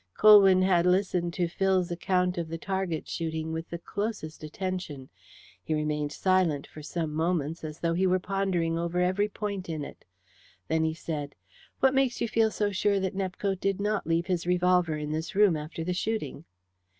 Colwyn had listened to Phil's account of the target shooting with the closest attention. He remained silent for some moments, as though he were pondering over every point in it. Then he said: "What makes you feel so sure that Nepcote did not leave his revolver in this room after the shooting?"